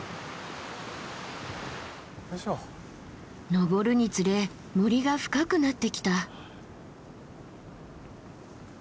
登るにつれ森が深くなってきた。